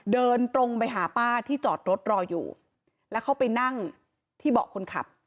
เดินตรงไปหาป้าที่จอดรถรออยู่แล้วเข้าไปนั่งที่เบาะคนขับ